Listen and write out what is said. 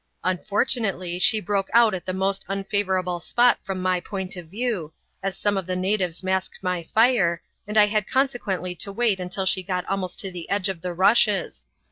Unfortunately she broke out at the most unfavourable spot from my point of view, as some of the natives masked my fire, and I had consequently to wait until she got almost to the edge of the rushes.